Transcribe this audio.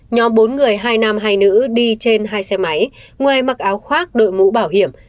nhóm bốn người hai nam hai nữ đi trên hai xe máy ngoài mặc áo khoác đội mũ bảo hiểm